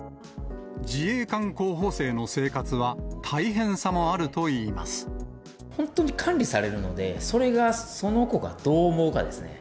自衛官候補生の生活は、本当に管理されるので、それがその子がどう思うかですね。